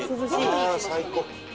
ああ最高。